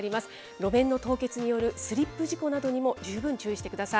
路面の凍結によるスリップ事故などにも十分注意してください。